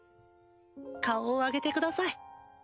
顔を上げてください。